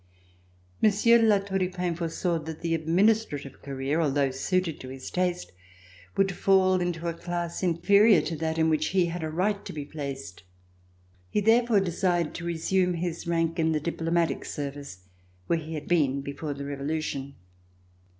Monsieur de La Tour du Pin foresaw that the administrative career, although suited to his taste, would fall into a class inferior to that in which he had a right to be placed. He therefore desired to resume his rank in the diplomatic service where he had been before the Revolution.